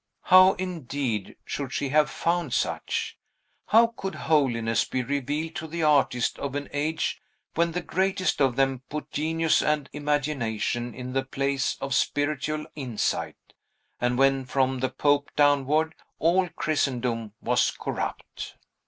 How, indeed, should she have found such? How could holiness be revealed to the artist of an age when the greatest of them put genius and imagination in the place of spiritual insight, and when, from the pope downward, all Christendom was corrupt?